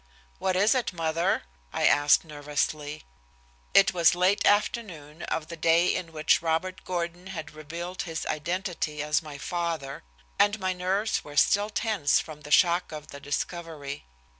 "What is it, mother?" I asked nervously. It was late afternoon of the day in which Robert Gordon had revealed his identity as my father, and my nerves were still tense from the shock of the discovery.